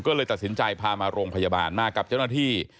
ก็เลยตัดสินใจพามาโรงพยาบาลมากับเจ้าหน้าที่